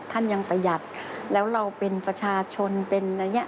ท่านยังประหยัดแล้วเราเป็นประชาชนเป็นอะไรอย่างนี้